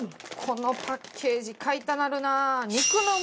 このパッケージ買いたなるなあ！